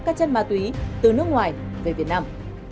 các chất ma túy từ nước ngoài về việt nam